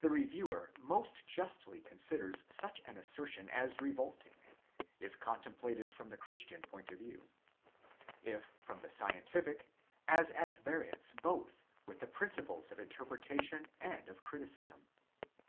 The reviewer most justly considers such an assertion as revolting, if contemplated from the christian point of view; if from the scientific, as at variance both with the principles of interpretation and of criticism.